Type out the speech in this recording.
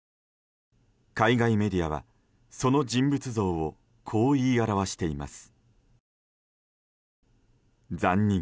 海外メディアは、その人物像をこう言い表しています。